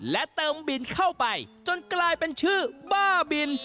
และเติมบินเข้าไปจนกลายเป็นชื่อบ้าบิน